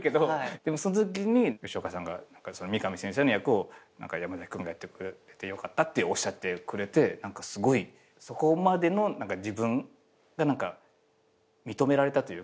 でもそのときに吉岡さんが「三上先生の役を山崎君がやってくれてよかった」っておっしゃってくれてそこまでの自分が認められたというか。